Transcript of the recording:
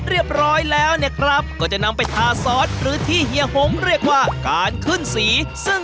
เราต้องลัดเพื่อให้มัน